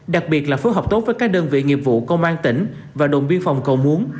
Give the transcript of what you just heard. đặc biệt là phối hợp tốt với các đơn vị nghiệp vụ công an tỉnh và đồn biên phòng cầu muốn